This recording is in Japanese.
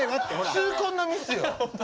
痛恨のミスよ！